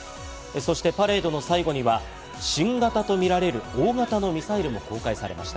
そして、パレードの最後には新型とみられる大型のミサイルも公開されました。